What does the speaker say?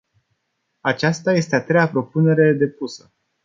Aceasta este a treia propunere depusă.